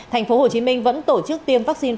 tp hcm vẫn tổ chức tiêm vaccine